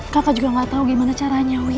kakak juga gak tau gimana caranya wi